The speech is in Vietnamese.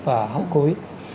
và hóa covid